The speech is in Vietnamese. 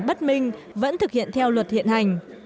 bất minh vẫn thực hiện theo luật hiện hành